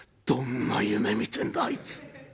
「どんな夢見てんだあいつ。